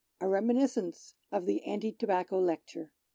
A Reminiscence oj the Anii Tobdcco Lecture.